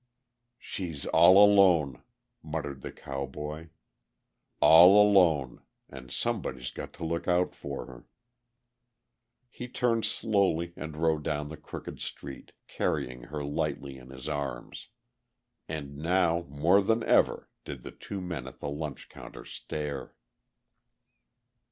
"She's all alone," muttered the cowboy. "All alone. And somebody's got to look out for her...." He turned slowly and rode down the crooked street, carrying her lightly in his arms. And now, more than ever, did the two men at the lunch counter stare.